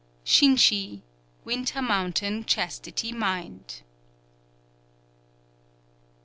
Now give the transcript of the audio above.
_ _Shinshi, Winter Mountain Chastity Mind.